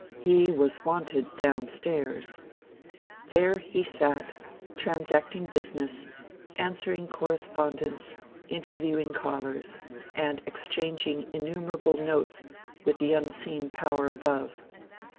He was wanted downstairs. There he sat, transacting business answering correspondence, interviewing callers, and exchanging innumerable notes with the unseen power above.